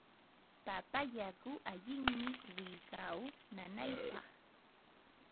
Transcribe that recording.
Papa yaku allinmi wiqaw nanaypaq.